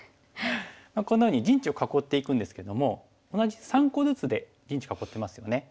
こんなふうに陣地を囲っていくんですけども同じ３個ずつで陣地囲ってますよね。